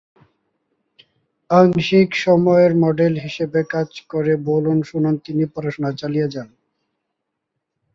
আংশিক সময়ের মডেল হিসাবে কাজ করে তিনি পড়াশোনা চালিয়ে যান।